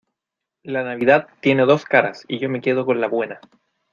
la Navidad tiene dos caras y yo me quedo con la buena